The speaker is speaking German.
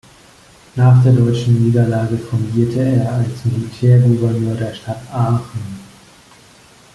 Nach der deutschen Niederlage fungierte er als Militärgouverneur der Stadt Aachen.